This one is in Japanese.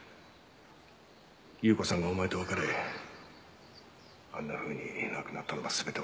有雨子さんがお前と別れあんなふうに亡くなったのは全て俺のせいだ。